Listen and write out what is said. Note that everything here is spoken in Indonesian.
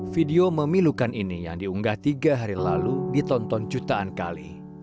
video memilukan ini yang diunggah tiga hari lalu ditonton jutaan kali